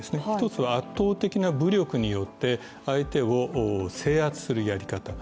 １つは圧倒的な武力によって相手を制圧するやり方。